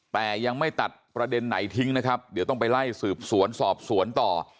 แต่ยังไม่ตัดประเด็นไหนทิ้งนะครับเดี๋ยวต้องไปไล่สืบสวนสอบสวนต่อ